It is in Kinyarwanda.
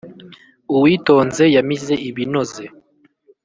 Uwitonze yamize ibinoze